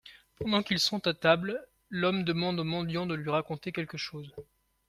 Pendant qu'ils sont à table, l'homme demande au mendiant de lui raconter quelque chose.